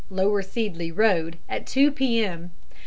Lower Seedley Road at 2 p.m.